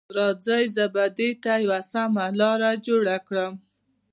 راځئ، زه به دې ته یوه سمه لاره جوړه کړم.